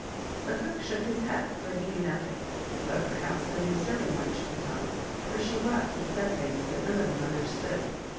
The cook shook his head, for he knew nothing, but perhaps the new serving wench could tell, for she wept and said things that none of them understood.